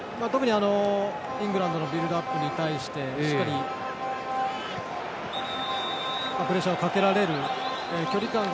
イングランドのビルドアップに対してしっかりとプレッシャーをかけられる。